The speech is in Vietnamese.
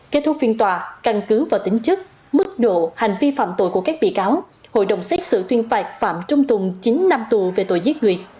kết thúc phiên tòa căn cứ vào tính chức mức độ hành vi phạm tội của các bị cáo hội đồng xét xử tuyên phạt phạm trung tùng chín năm tù về tội giết người